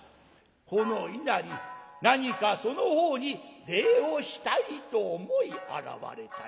「この稲荷何かそのほうに礼をしたいと思い現れたり。